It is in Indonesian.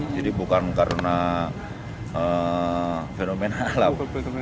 jadi bukan karena fenomena alam